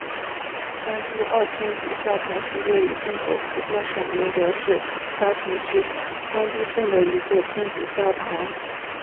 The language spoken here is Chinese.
三都澳天主教堂是位于中国福建省宁德市蕉城区三都镇的一座天主教堂。